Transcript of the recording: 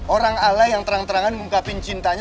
orang ala yang terang terangan mengungkapkan cintanya